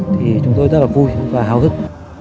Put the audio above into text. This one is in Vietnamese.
thì chúng tôi rất là vui và hào hức